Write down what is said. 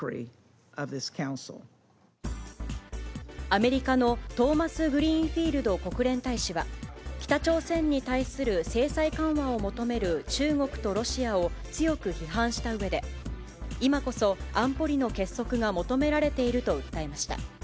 アメリカのトーマスグリーンフィールド国連大使は、北朝鮮に対する制裁緩和を求める中国とロシアを強く批判したうえで、今こそ、安保理の結束が求められていると訴えました。